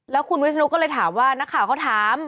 แล้วคุณวิศนุก็เลยถามว่านักข่าวเขาถาม